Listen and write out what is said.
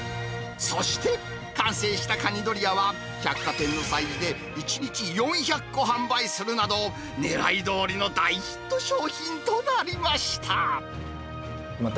そして、完成したカニドリアは、百貨店の催事で１日４００個販売するなど、ねらいどおりの大ヒット商品となりました。